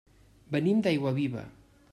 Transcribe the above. Venim d'Aiguaviva.